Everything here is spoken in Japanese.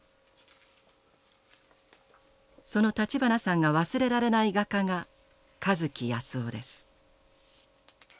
その立花さんが忘れられない画家が香月泰男です。